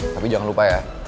tapi jangan lupa ya